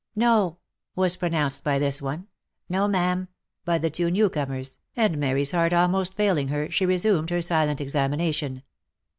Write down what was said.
" No !" was pronounced by this one, " No, ma'am/' by the two new comers, and Mary's heart almost faiiing her, she re sumed her silent examination.